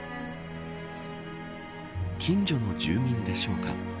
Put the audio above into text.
近所の住民でしょうか。